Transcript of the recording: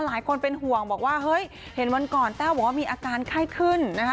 หลายคนเป็นห่วงบอกว่าเฮ้ยเห็นวันก่อนแต้วบอกว่ามีอาการไข้ขึ้นนะคะ